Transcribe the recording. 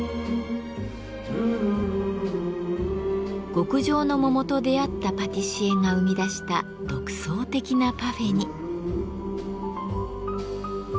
極上の桃と出会ったパティシエが生み出した独創的なパフェに。